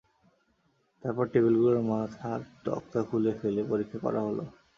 তারপর টেবিলগুলোর মাথার তক্তা খুলে ফেলে পরীক্ষা করা হল।